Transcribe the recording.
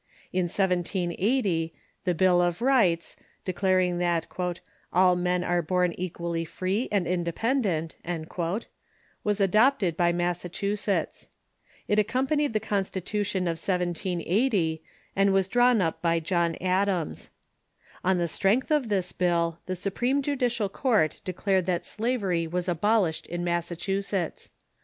In 1780, the Bill of Rights, declaring that "all men are born equally free and independent," was adopted by Massachusetts, It accompanied the Constitution of 17S0, and was drawn up by John Adams. On the strength of this liill, the Supreme Judicial Court declared that slavery was abolished in Massa chusetts.